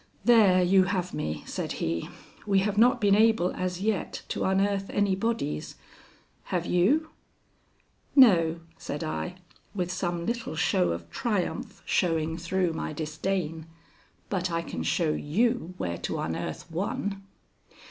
"There you have me," said he. "We have not been able as yet to unearth any bodies. Have you?" "No," said I, with some little show of triumph showing through my disdain, "but I can show you where to unearth one."